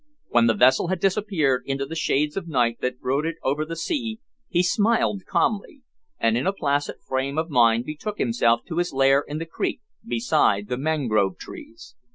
When the vessel had disappeared into the shades of night that brooded over the sea, he smiled calmly, and in a placid frame of mind betook himself to his lair in the creek beside the mangrove trees.